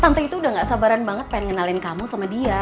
tante itu udah gak sabaran banget pengen kenalin kamu sama dia